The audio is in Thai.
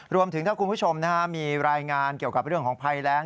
รวมถึงถ้าคุณผู้ชมมีรายงานเกี่ยวกับเรื่องของภัยแรง